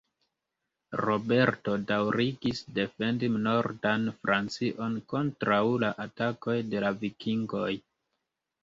Roberto daŭrigis defendi nordan Francion kontraŭ la atakoj de la Vikingoj.